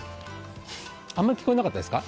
あんまり聞こえなかったですか。